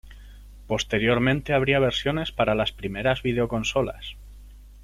Posteriormente habría versiones para las primeras videoconsolas.